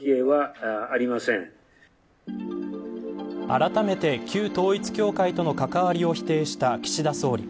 あらためて旧統一教会との関わりを否定した岸田総理。